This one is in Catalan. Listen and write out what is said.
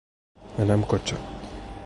Anar amb cotxe.